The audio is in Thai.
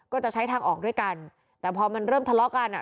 ก็จะใช้ทางออกด้วยกันแต่พอมันเริ่มทะเลาะกันอ่ะ